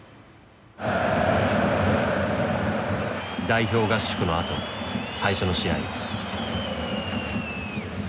代表合宿のあと最初の試合。